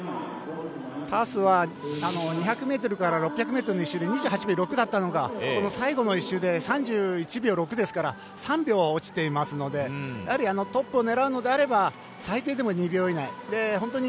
タスは２００ｍから６００ｍの１周で２８秒６だったのが最後の１周で３１秒６ですから３秒落ちていますのでやはりトップを狙うのであれば最低でも２秒以内。